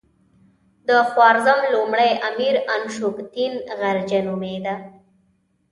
د خوارزم لومړی امیر انوشتګین غرجه نومېده.